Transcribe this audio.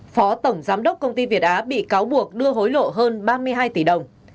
phó tổng giám đốc công ty việt á bị cáo buộc đưa hối lộ hơn ba mươi hai tỷ đồng